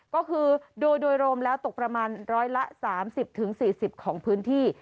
ก็คือโดยรวมแล้วตกประมาณ๑๓๐๔๐ของพื้นที่